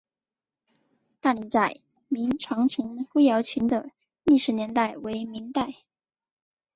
大岭寨明长城灰窑群的历史年代为明代。